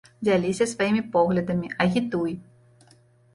Дзяліся сваімі поглядамі, агітуй!